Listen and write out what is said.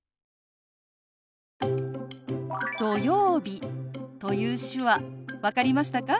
「土曜日」という手話分かりましたか？